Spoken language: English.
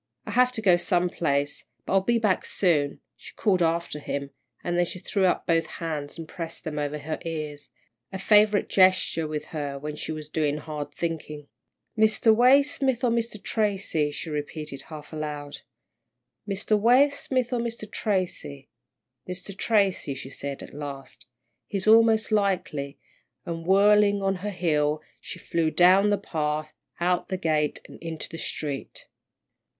"I have to go some place, but I'll be back soon," she called after him, then she threw up both hands and pressed them over her ears, a favourite gesture with her when she was doing hard thinking. "Mr. Waysmith or Mr. Tracy," she repeated, half aloud. "Mr. Waysmith or Mr. Tracy. Mr. Tracy," she said, at last, "he's most likely," and whirling on her heel, she flew down the path, out the gate, and into the street.